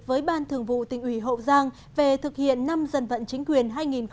với ban thường vụ tỉnh ủy hậu giang về thực hiện năm dân vận chính quyền hai nghìn một mươi chín